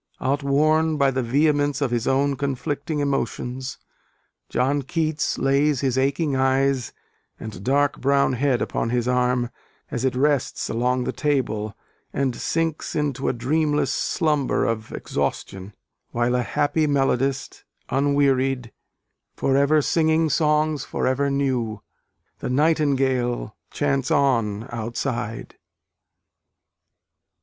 Outworn by the vehemence of his own conflicting emotions, John Keats lays his aching eyes and dark brown head upon his arm as it rests along the table, and sinks into a dreamless slumber of exhaustion; while, a "Happy melodist, unwearied, For ever singing songs for ever new," the nightingale chants on outside.